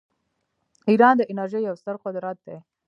ایران د انرژۍ یو ستر قدرت دی.